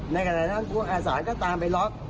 ในขณะทั้งนั้นคุณอสานก็ตามไปล็อก